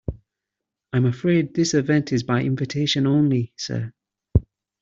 I'm afraid this event is by invitation only, sir.